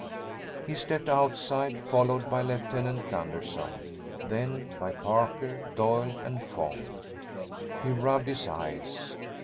He stepped outside, followed by Lieutenant Gunderson, then by Parker, Doyle and Fong. He rubbed his eyes.